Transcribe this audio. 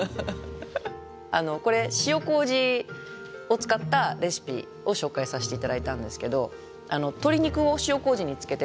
あのこれ塩こうじを使ったレシピを紹介させて頂いたんですけど鶏肉を塩こうじに漬けて。